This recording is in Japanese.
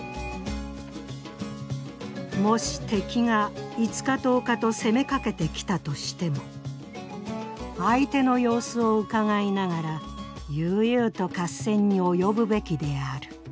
「もし敵が５日１０日と攻めかけてきたとしても相手の様子をうかがいながら悠々と合戦に及ぶべきである。